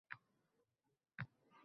Ertaga chiqadigan qo'shimcha ehtiyojlar